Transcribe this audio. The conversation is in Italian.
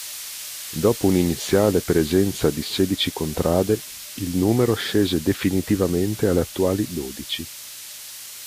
Dopo un iniziale presenza di sedici contrade, il numero scese definitivamente alle attuali dodici.